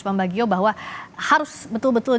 pembagio bahwa harus betul betul